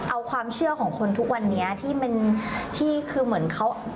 เอาความเชื่อของคนทุกวันนี้ที่มันที่คือเหมือนเขา